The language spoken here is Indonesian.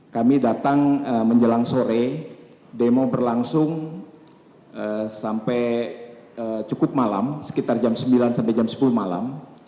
kami datang menjelang sore demo berlangsung sampai cukup malam sekitar jam sembilan sampai jam sepuluh malam